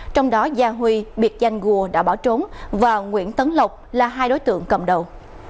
trong đó gia huy biệt danh gùa đã bỏ trốn và nguyễn tấn lộc là hai đối tượng cầm đầu